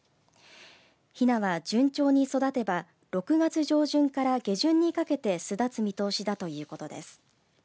ひなは順調に育てば６月上旬から下旬にかけて巣立つ見通しだということです。